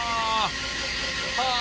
はあ！